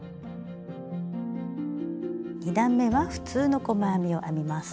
２段めは普通の細編みを編みます。